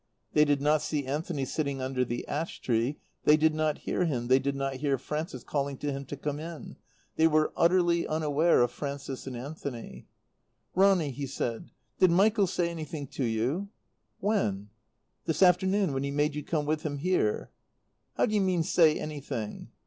They did not see Anthony sitting under the ash tree, they did not hear him, they did not hear Frances calling to him to come in. They were utterly unaware of Frances and Anthony. "Ronny," he said, "did Michael say anything to you?" "When?" "This afternoon, when he made you come with him here?" "How do you mean, 'say anything'?"